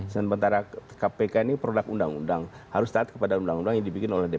sementara kpk ini produk undang undang harus taat kepada undang undang yang dibikin oleh dpr